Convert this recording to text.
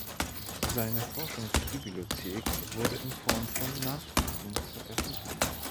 Seine Forschungsbibliothek wurde in Form von Nachdrucken veröffentlicht.